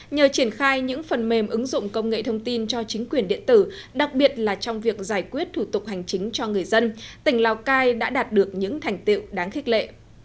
nhờ triển khai những phần mềm ứng dụng công nghệ thông tin cho chính quyền điện tử đặc biệt là trong việc giải quyết thủ tục hành chính cho người dân tỉnh lào cai đã đạt được những thành tiệu đáng khích lệ